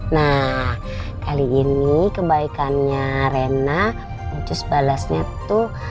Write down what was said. nah kali ini kebaikannya rena wus balasnya tuh